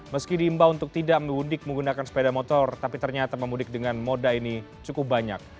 meski diimbau untuk tidak mudik menggunakan sepeda motor tapi ternyata pemudik dengan moda ini cukup banyak